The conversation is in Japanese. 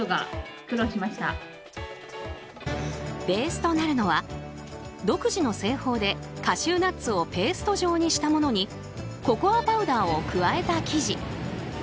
ベースとなるのは独自の製法でカシューナッツをペースト状にしたものにココアパウダーを加えた生地。